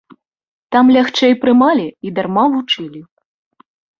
Там лягчэй прымалі і дарма вучылі.